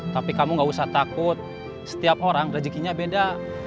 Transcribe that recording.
tapi kamu nggak usah takut setiap orang rezekinya beda